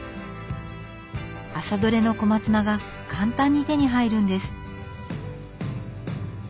朝取れの小松菜が簡単に手に入るんです。